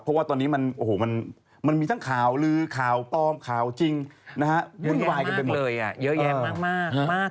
การผิดตามข่าวเนี่ยนะเยอะมากนะ